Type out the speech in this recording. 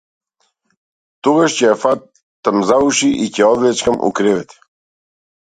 Тогаш ќе ја фатам за уши и ќе ја одвлечкам у кревет!